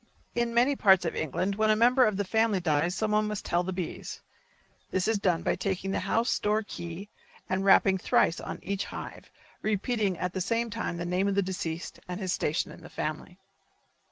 In many parts of England when a member of the family dies someone must tell the bees; this is done by taking the house door key and rapping thrice on each hive, repeating at the same time the name of the deceased and his station in the family.